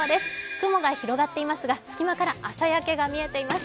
雲が広がっていますが、隙間から朝焼けが見えています。